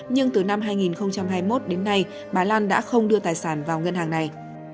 nhưng từ năm hai nghìn hai mươi một đến nay bà lan đã không đưa tài sản vào ngân hàng này